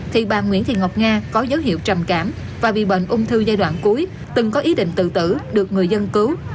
thì bà nguyễn thị ngọc nga có dấu hiệu trầm cảm và bị bệnh ung thư giai đoạn cuối từng có ý định tự tử được người dân cứu